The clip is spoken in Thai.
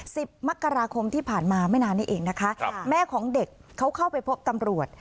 สิบมกราคมที่ผ่านมาไม่นานนี้เองนะคะครับแม่ของเด็กเขาเข้าไปพบตำรวจ